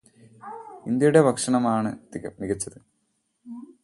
ഇന്ത്യയുടെ ഭക്ഷണമാണ് മികച്ചത്